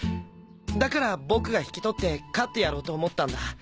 だから僕が引き取って飼ってやろうと思ったんだ。